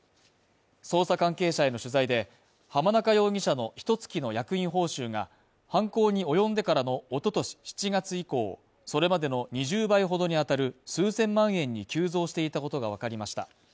捜査関係者への取材で浜中容疑者のひと月の役員報酬が犯行に及んでからのおととし７月以降、それまでの２０倍ほどにあたる数千万円に急増していたことがわかりました。